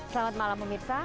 selamat malam pemirsa